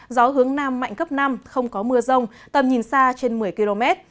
gió hướng nam mạnh cấp năm không có mưa rông tầm nhìn xa trên một mươi km